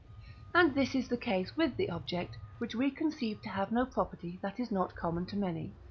And this is the case with the object, which we conceive to have no property that is not common to many.